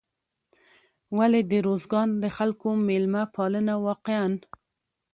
ولې د روزګان د خلکو میلمه پالنه واقعا